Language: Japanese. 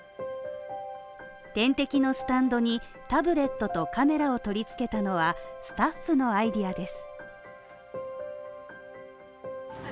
点滴のスタンドにタブレットとカメラを取り付けたのはスタッフのアイディアです。